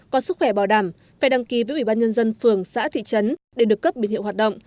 có sức khỏe bảo đảm phải đăng ký với ubnd phường xã thị trấn để được cấp biển hiệu hoạt động